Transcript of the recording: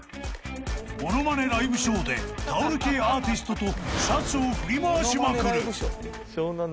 ［モノマネライブショーでタオル系アーティストとシャツを振り回しまくる］